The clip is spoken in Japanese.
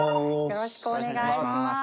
よろしくお願いします。